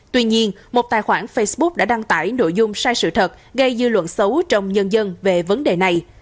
tuy nhiên một tài khoản facebook đã đăng tải nội dung sai sự thật gây dư luận xấu trong nhân dân về vấn đề này